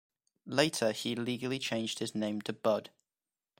Later, he legally changed his name to Bud.